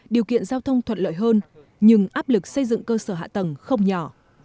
điều kiện giao thông thuận lợi hơn nhưng áp lực xây dựng cơ sở hạ tầng không nhỏ